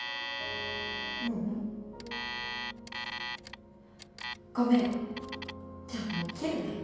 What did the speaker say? ううん。ごめんじゃあもう切るね。